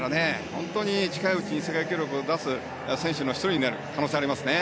本当に近いうちに世界記録を出す選手の１人になる可能性がありますね。